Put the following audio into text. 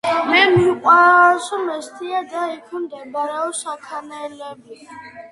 მე მიყვარს მესტია და იქ მდებარე საქანელები